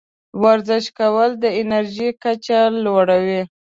ورزش کول د انرژۍ کچه لوړوي.